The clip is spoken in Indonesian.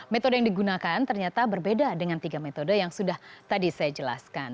metode yang digunakan ternyata berbeda dengan tiga metode yang sudah tadi saya jelaskan